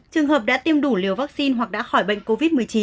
trường hợp đã tiêm đủ liều vaccine hoặc đã khỏi bệnh covid một mươi chín